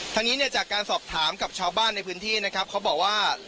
ทางนี้เนี่ยจากการสอบถามกับชาวบ้านในพื้นที่นะครับเขาบอกว่า